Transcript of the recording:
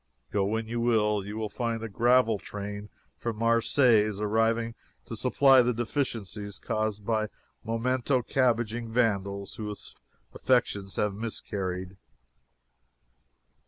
Go when you will, you find a gravel train from Marseilles arriving to supply the deficiencies caused by memento cabbaging vandals whose affections have miscarried.